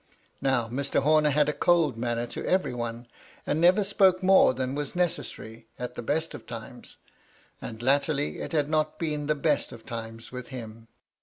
Now, Mr. Homer had a cold manner to every one, and never spoke more than was necessary, at the best of times. And, latterly, it had not been the best of times with him.